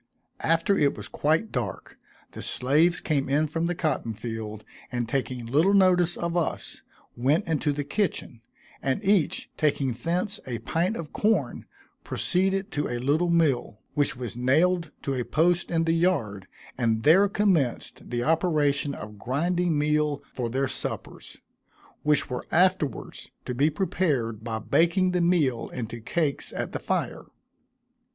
After it was quite dark, the slaves came in from the cotton field, and taking little notice of us, went into the kitchen, and each taking thence a pint of corn, proceeded to a little mill, which was nailed to a post in the yard, and there commenced the operation of grinding meal for their suppers, which were afterwards to be prepared by baking the meal into cakes at the fire.